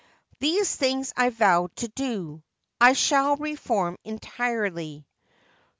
These things I vow to do. I shall reform entirely."